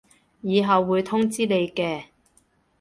以後會通知你嘅